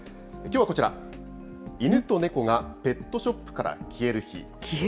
きょうはこちら、犬と猫がペットショップから消える日。